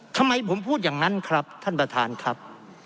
ทำไมผมพูดอย่างนั้นครับท่านประธานครับ